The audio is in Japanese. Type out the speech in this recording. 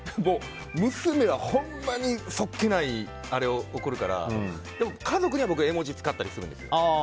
娘はほんまにそっけないあれを送るからでも家族には僕絵文字使ったりするんですよ。